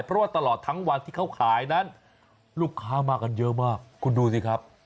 เพราะว่าตลอดทั้งวันที่เขาขายนั้นลูกค้ามากันเยอะมากคุณดูสิครับ